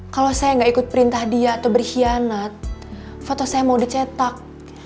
kalau saya nggak ikut perintah dia atau berkhianat foto saya mau dicetak